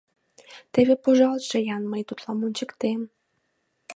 Теве пожалтше-ян, мый тудлан ончыктем!..